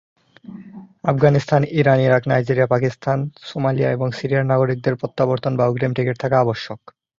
Afghanistan, Iran, Iraq, Nigeria, Pakistan, Somalia এবং সিরিয়ার নাগরিকদের প্রত্যাবর্তন বা অগ্রিম টিকিট থাকা আবশ্যক।